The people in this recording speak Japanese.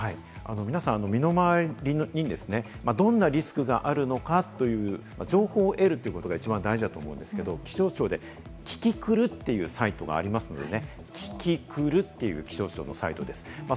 皆さん、身の回りにですね、どんなリスクがあるのかという情報を得るということが一番大事だと思いますが、気象庁で「キキクル」というサイトがありますので、「キキクル」という気象庁のサイトです。